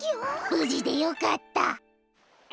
ぶじでよかった。